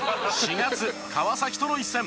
４月川崎との一戦。